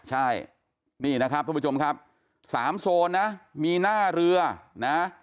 ใช่นี่นะครับทุกผู้ชมครับสามโซนนะมีหน้าเรือนะ